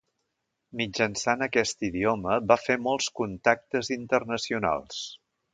Mitjançant aquest idioma va fer molts contactes internacionals.